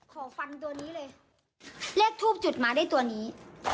ขอฟันตัวนี้เลยเลขทูปจุดมาได้ตัวนี้๑๒๓๔๕๖๗๘๙๑๐